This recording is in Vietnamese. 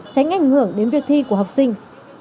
tránh ảnh hưởng đến việc thi của học sinh